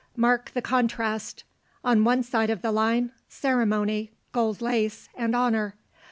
Mark the contrast. On one side of the line, ceremony, gold lace and honor.